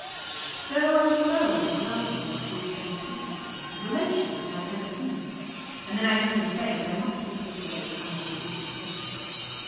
So I was alone with the Welshwoman till strange people came, and relations, whom I had never seen; and then I heard them saying that I must be taken away to some more cheerful place.